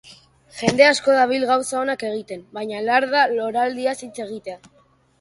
Jende asko dabil gauza onak egiten, baina lar da loraldiaz hitz egitea.